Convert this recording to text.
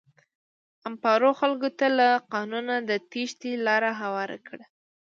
امپارو خلکو ته له قانونه د تېښتې لاره هواره کړه.